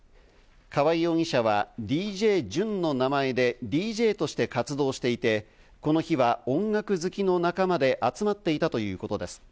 川合容疑者はＤＪＪＵＮの名前でＤＪとして活動していて、この日は音楽好きの仲間で集まっていたということです。